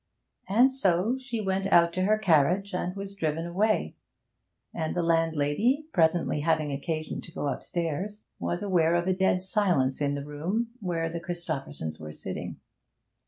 And so she went out to her carriage, and was driven away. And the landlady, presently having occasion to go upstairs, was aware of a dead silence in the room where the Christophersons were sitting.